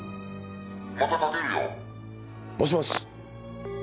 「またかけるよ」もしもし。